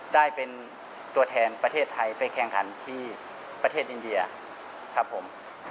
ได้เป็นตัวแทนประเทศไทยไปแข่งขันที่ประเทศอินเดียครับผม